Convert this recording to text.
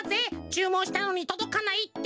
「ちゅうもんしたのにとどかない」って。